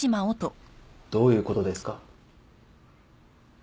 どういうことですか？